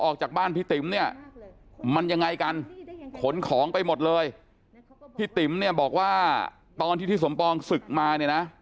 ออกจากบ้านพี่ติ๋มเนี่ยมันยังไงกันขนของไปหมดเลยพี่ติ๋มเนี่ยบอกว่าตอนที่ที่สมปองศึกมาเนี่ยนะ